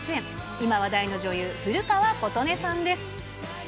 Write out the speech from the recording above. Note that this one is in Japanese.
今話題の女優、古川琴音さんです。